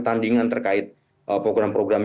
tandingan terkait program program